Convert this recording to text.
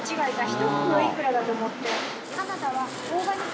１袋いくらだと思って。